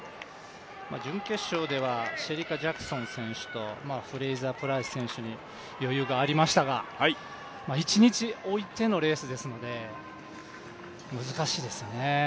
準決勝ではシェリカ・ジャクソン選手とフレイザー・プライス選手に余裕がありましたが、一日置いてのレースですので、難しいですよね。